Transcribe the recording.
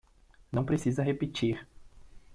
Não precisa repetir